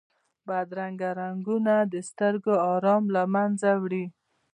بدرنګه رنګونه د سترګو آرام له منځه وړي